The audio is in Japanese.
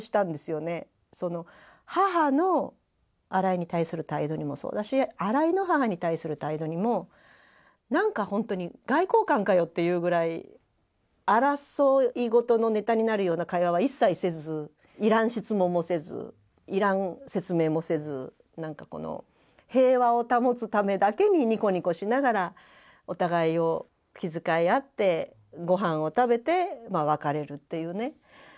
母の荒井に対する態度にもそうだし荒井の母に対する態度にも何かほんとに外交官かよっていうぐらい争いごとのネタになるような会話は一切せずいらん質問もせずいらん説明もせず平和を保つためだけにニコニコしながらお互いを気遣い合ってごはんを食べて別れるっていうね。